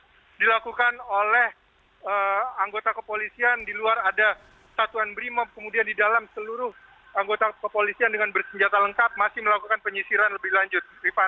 yang dilakukan oleh anggota kepolisian di luar ada satuan brimob kemudian di dalam seluruh anggota kepolisian dengan bersenjata lengkap masih melakukan penyisiran lebih lanjut